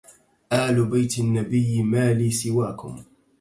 آل بيت النبي ما لي سواكم